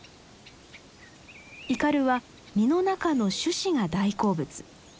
イカルは実の中の種子が大好物。